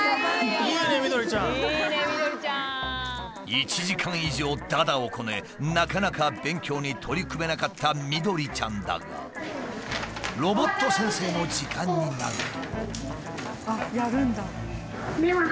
１時間以上だだをこねなかなか勉強に取り組めなかったみどりちゃんだがロボット先生の時間になると。